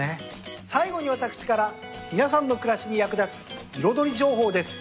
最後に私から皆さんの暮らしに役立つ彩り情報です。